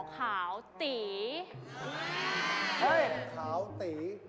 เฮ่ยขาวตี